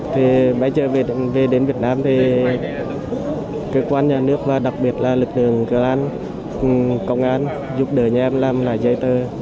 thì bây giờ về đến việt nam thì cơ quan nhà nước và đặc biệt là lực lượng công an giúp đỡ nhà em làm lại giấy tờ